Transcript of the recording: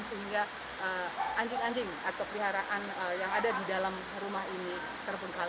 sehingga anjing anjing atau peliharaan yang ada di dalam rumah ini terbengkalai